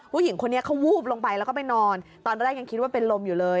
ผู้หญิงคนนี้เขาวูบลงไปแล้วก็ไปนอนตอนแรกยังคิดว่าเป็นลมอยู่เลย